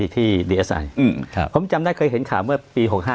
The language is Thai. ที่ดีเอสไออืมครับผมจำได้เคยเห็นข่าวเมื่อปีหกห้า